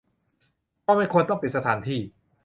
ก็ไม่ควรต้องปิดสถานที่